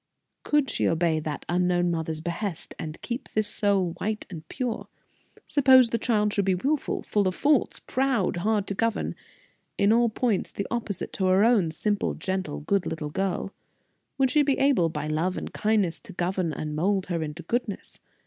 Could she obey that unknown mother's behest and keep this soul white and pure? Suppose the child should be willful, full of faults, proud, hard to govern, in all points the opposite to her own simple, gentle, good little girl would she be able by love and kindness to govern and mold her into goodness?